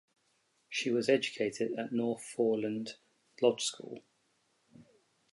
She was educated at North Foreland Lodge School.